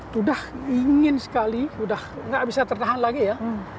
sudah ingin sekali sudah nggak bisa tertahan lagi ya